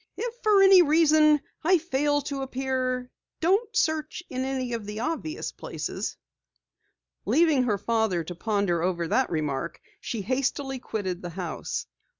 "If for any reason I fail to appear, don't search in any of the obvious places." Leaving her father to ponder over the remark, she hastily quitted the house.